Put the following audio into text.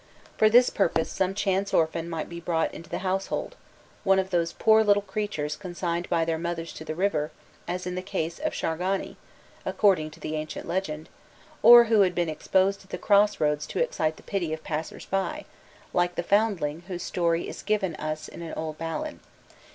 For this purpose some chance orphan might be brought into the household one of those poor little creatures consigned by their mothers to the river, as in the case of Shargani, according to the ancient legend; or who had been exposed at the cross roads to excite the pity of passers by, like the foundling whose story is given us in an old ballad.